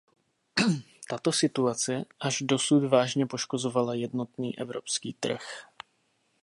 Tato situace až dosud vážně poškozovala jednotný evropský trh.